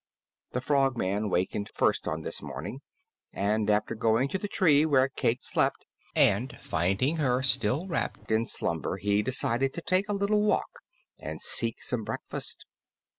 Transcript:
The Frogman wakened first on this morning, and after going to the tree where Cayke slept and finding her still wrapped in slumber, he decided to take a little walk and seek some breakfast.